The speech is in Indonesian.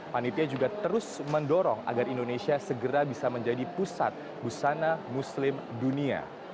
panitia juga terus mendorong agar indonesia segera bisa menjadi pusat busana muslim dunia